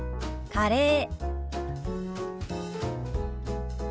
「カレー」。